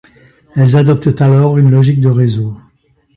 Elles adoptent alors une logique de réseau.